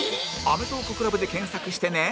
「アメトーーク ＣＬＵＢ」で検索してね